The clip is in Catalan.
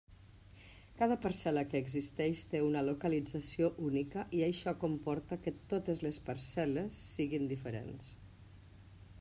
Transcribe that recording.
Cada parcel·la que existeix té una localització única i això comporta que totes les parcel·les siguen diferents.